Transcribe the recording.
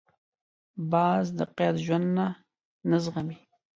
باز د قید ژوند نه زغمي